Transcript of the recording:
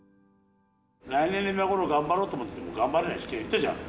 来年の今頃、頑張ろうと思っても頑張れないって言ったじゃん。